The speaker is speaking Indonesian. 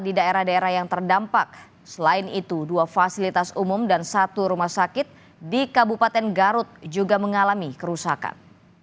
di daerah daerah yang terdampak selain itu dua fasilitas umum dan satu rumah sakit di kabupaten garut juga mengalami kerusakan